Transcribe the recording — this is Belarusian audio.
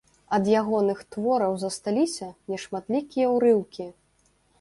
Ад ягоных твораў засталіся нешматлікія ўрыўкі.